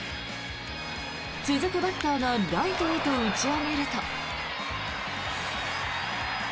続くバッターがライトへと打ち上げると。